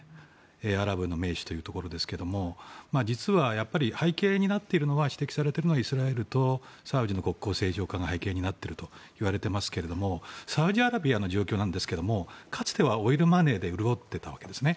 アラブの盟主というところですが実は背景になっているのは指摘されているのはイスラエルとサウジの国交正常化の背景になっていると言われていますけどもサウジアラビアの状況なんですけどもかつてはオイルマネーで潤ってたわけですね。